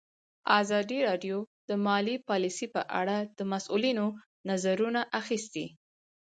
ازادي راډیو د مالي پالیسي په اړه د مسؤلینو نظرونه اخیستي.